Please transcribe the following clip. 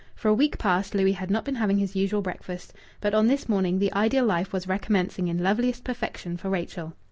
For a week past Louis had not been having his usual breakfast, but on this morning the ideal life was recommencing in loveliest perfection for Rachel.